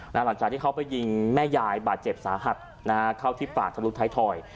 หลังจากที่เขาไปยิงแม่ยายบาดเจ็บสาหัสเข้าที่ปากทะลุท้ายถอย